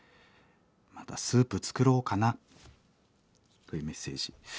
またスープ作ろうかな」というメッセージ。